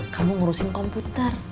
kamu ngurusin komputer